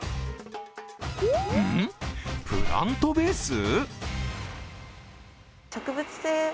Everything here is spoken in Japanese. プラントベース？